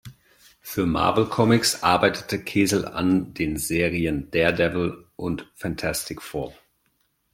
Für Marvel Comics arbeitete Kesel an den Serien "Daredevil" und "Fantastic Four".